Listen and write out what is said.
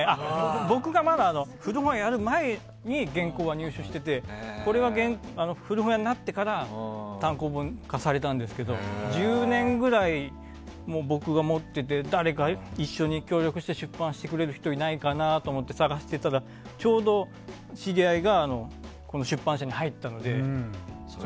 僕が、まだ古本屋をやる前に原稿は入手しててこれは古本屋になってから単行本化されたんですけど１０年ぐらい僕が持っていて誰か一緒に協力して出版してくれる人いないかなと思って、探してたらちょうど知り合いがこの出版社に入っていたので。